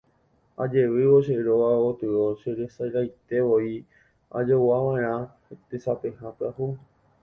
Ajevývo che róga gotyo cheresaraietevoi ajoguava'erãha tesapeha pyahu.